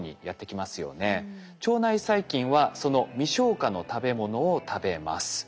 腸内細菌はその未消化の食べものを食べます。